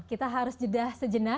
kita harus jedah sejenak